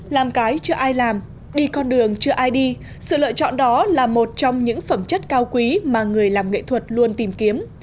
làm cái chưa ai làm đi con đường chưa ai đi sự lựa chọn đó là một trong những phẩm chất cao quý mà người làm nghệ thuật luôn tìm kiếm